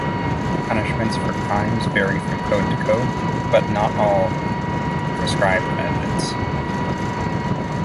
Punishments for crimes vary from code to code, but not all prescribe vengeance.